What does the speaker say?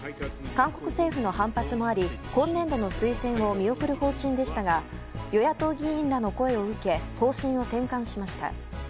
韓国政府の反発もあり今年度の推薦を見送る方針でしたが与野党議員らの声を受け方針を転換しました。